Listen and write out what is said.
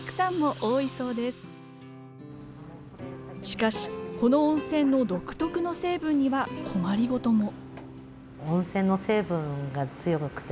しかしこの温泉の独特の成分には困りごとも。